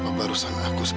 sampai dengan yakin